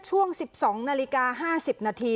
ช่วง๑๒นาฬิกา๕๐นาที